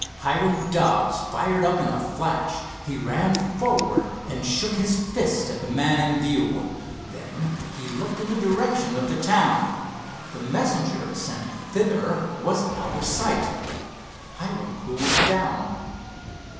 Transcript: Hiram Dobbs fired up in a flash. He ran forward and shook his fist at the man in view. Then he looked in the direction of the town. The messenger sent thither was out of sight. Hiram cooled down.